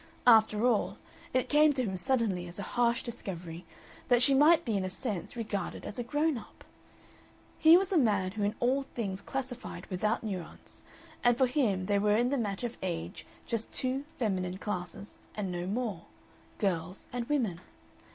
After all, it came to him suddenly as a harsh discovery that she might be in a sense regarded as grownup. He was a man who in all things classified without nuance, and for him there were in the matter of age just two feminine classes and no more girls and women.